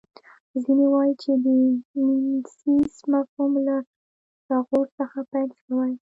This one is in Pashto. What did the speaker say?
ځینې وايي چې د میمیسیس مفهوم له فیثاغورث څخه پیل شوی